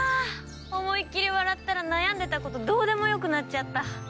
思いっきり笑ったら悩んでた事どうでもよくなっちゃった。